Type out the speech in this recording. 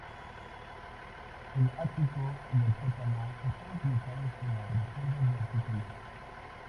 El ático y el sótano están utilizados como reservas de artículos.